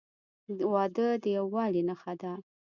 • واده د یووالي نښه ده.